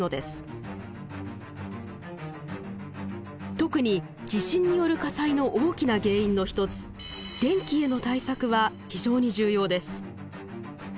特に地震による火災の大きな原因の一つ電気への対策は非常に重要です。